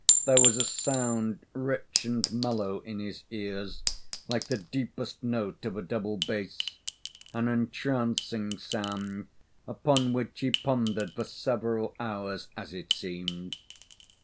There was a sound rich and mellow in his ears like the deepest note of a double bass an entrancing sound upon which he pondered for several hours, as it seemed.